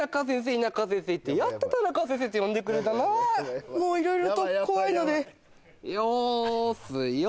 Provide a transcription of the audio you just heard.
田舎先生ってやっと田中先生って呼んでくれたなもういろいろと怖いのでよーすよ